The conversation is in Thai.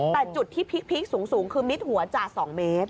แต่จุดที่พลิกสูงคือมิดหัวจ่า๒เมตร